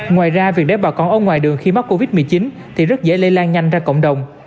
ngoài ra việc để bà con ở ngoài đường khi mắc covid một mươi chín thì rất dễ lây lan nhanh ra cộng đồng